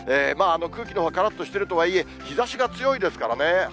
空気のほうはからっとしているとはいえ、日ざしが強いですからね。